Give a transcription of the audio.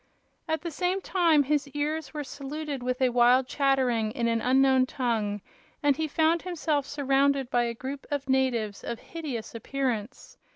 At the same time his ears were saluted with a wild chattering in an unknown tongue, and he found himself surrounded by a group of natives of hideous appearance.